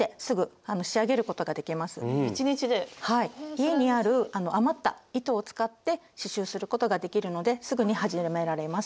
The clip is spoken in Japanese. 家にある余った糸を使って刺しゅうすることができるのですぐに始められます。